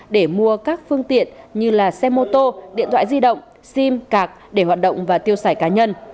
để mua các phương tiện như xe mô tô điện thoại di động sim cạc để hoạt động và tiêu sải cá nhân